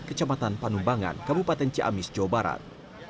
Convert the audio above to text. kecamatan panumbangan kabupaten ciamis jawa barat